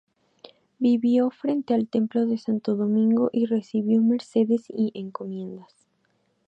Vivió frente al templo de Santo Domingo y recibió mercedes y encomiendas.